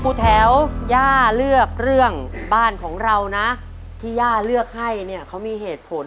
แถวย่าเลือกเรื่องบ้านของเรานะที่ย่าเลือกให้เนี่ยเขามีเหตุผล